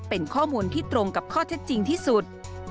เป็นข้อมูลที่ตรงกับข้อเท็จจริงที่สุด